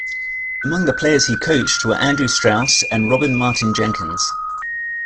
Among the players he coached were Andrew Strauss and Robin Martin-Jenkins.